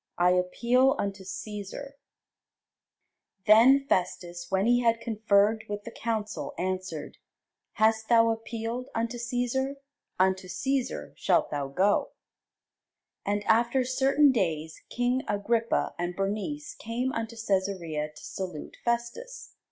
I appeal unto Cæsar. [Sidenote: The Acts 25] Then Festus, when he had conferred with the council, answered, Hast thou appealed unto Cæsar? unto Cæsar shalt thou go. And after certain days king Agrippa and Bernice came unto Cæsarea to salute Festus.